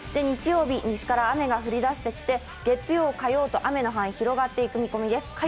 日曜日、西から雨が降りだしてきて、月曜、火曜と雨の範囲、広がっていく見込みです。